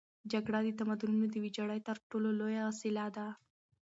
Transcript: جګړه د تمدنونو د ویجاړۍ تر ټولو لویه وسیله ده.